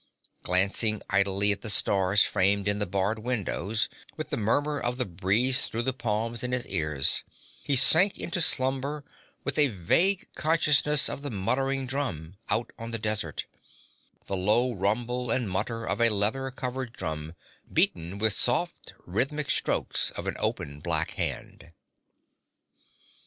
Glancing idly at the stars framed in the barred windows, with the murmur of the breeze through the palms in his ears, he sank into slumber with a vague consciousness of the muttering drum, out on the desert the low rumble and mutter of a leather covered drum, beaten with soft, rhythmic strokes of an open black hand....